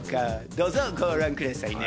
どうぞご覧くださいね。